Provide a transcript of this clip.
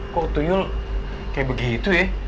kok toyol kayak begitu ya